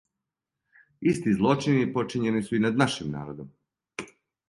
Исти злочини почињени су и над нашим народом.